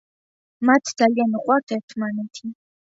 მათ ძალიან უყვართ ერთმანეთი.